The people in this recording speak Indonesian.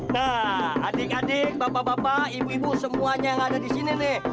nah adik adik bapak bapak ibu ibu semuanya yang ada di sini nih